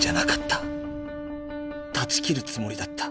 たち切るつもりだった。